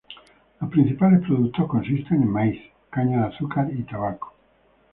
Los principales productos consisten en maíz, caña de azúcar y tabaco.